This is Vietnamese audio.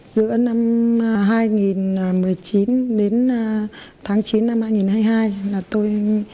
giữa năm hai nghìn một mươi chín đến tháng chín năm hai nghìn hai mươi hai là tôi